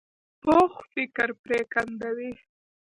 پوخ فکر پرېکنده وي